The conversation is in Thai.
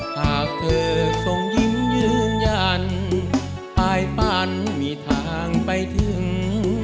หากเธอทรงยิ้มยืนยันปลายฝันมีทางไปถึง